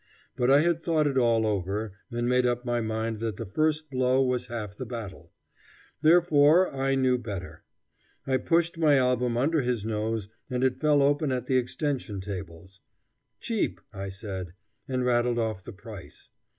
But I had thought it all over and made up my mind that the first blow was half the battle. Therefore I knew better. I pushed my album under his nose, and it fell open at the extension tables. Cheap, I said, and rattled off the price.